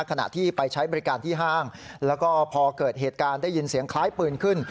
ขณะที่ไปใช้บริการที่ห้างแล้วก็พอเกิดเหตุการณ์ได้ยินเสียงคล้ายปืนขึ้น